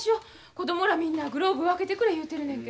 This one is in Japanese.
子供らみんなグローブ分けてくれ言うてるねんけど。